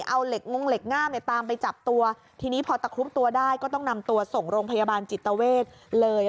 เอาเหล็กงงเหล็กงามเนี่ยตามไปจับตัวทีนี้พอตะครุบตัวได้ก็ต้องนำตัวส่งโรงพยาบาลจิตเวทเลย